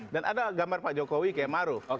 dan ada gambar pak jokowi km a'ruf